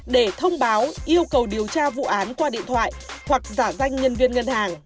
để thông báo yêu cầu điều tra vụ án qua điện thoại hoặc giả danh nhân viên ngân hàng